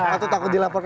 atau takut dilapor